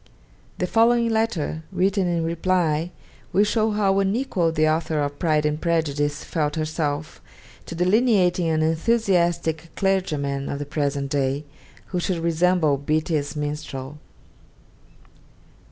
The following letter, written in reply, will show how unequal the author of 'Pride and Prejudice' felt herself to delineating an enthusiastic clergyman of the present day, who should resemble Beattie's Minstrel: 'Dec.